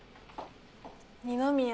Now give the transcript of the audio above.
二宮